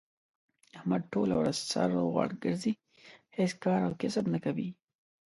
احمد ټوله ورځ سر غوړ ګرځی، هېڅ کار او کسب نه کوي.